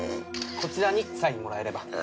こちらにサインもらえれば。